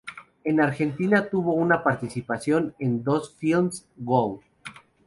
En Argentina tuvo una participación en dos filmes: "¡Goal!